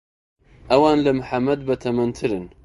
ئەوان لە محەممەد بەتەمەنترن.